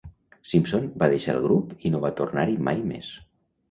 Simpson va deixar el grup i no va tornar-hi mai més.